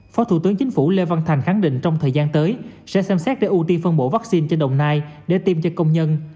phó thủ tướng chính phủ lê văn thành khẳng định trong thời gian tới sẽ xem xét để ưu tiên phân bổ vaccine cho đồng nai để tiêm cho công nhân